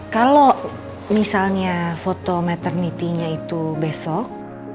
kalo misalnya foto maternitynya itu besok